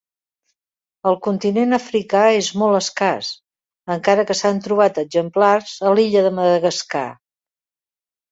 Al continent Africà és molt escàs encara que s'han trobat exemplars a l'illa de Madagascar.